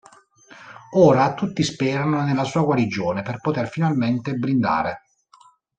Ora tutti sperano nella sua guarigione per poter finalmente brindare.